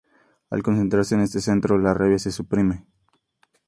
Al concentrarse en este centro, la rabia se suprime.